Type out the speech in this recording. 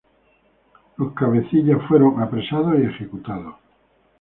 Los cabecillas fueron apresados y ejecutados.